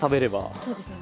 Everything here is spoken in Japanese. そうですね。